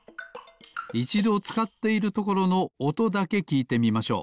いちどつかっているところのおとだけきいてみましょう。